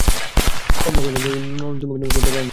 কমলা কহিল, তুমি কেন উঁহাকে ডাকিয়া আনিলে?